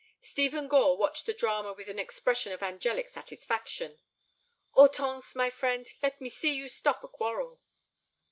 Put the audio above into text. Stephen Gore watched the drama with an expression of angelic satisfaction. "Hortense, my friend, let me see you stop a quarrel."